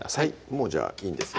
もうじゃあいいんですね？